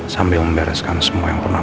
sambil membereskan semua yang pernah